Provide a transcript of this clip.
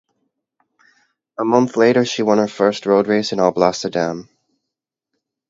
A month later she won her first road race in Alblasserdam.